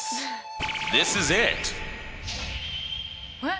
えっ？